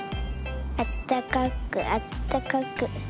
あったかくあったかく。